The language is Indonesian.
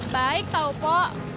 baik tau po